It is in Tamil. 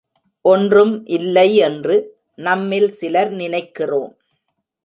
ஒன்றும் இல்லை என்று நம்மில் சிலர் நினைக்கிறோம்.